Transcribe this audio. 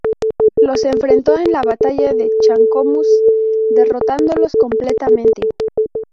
Los enfrentó en la batalla de Chascomús, derrotándolos completamente.